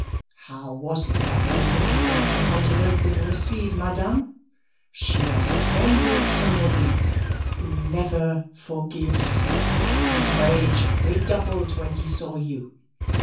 How was it that no minister on the Continent would receive Madame? She has offended somebody: who never forgives whose rage redoubled when he saw you.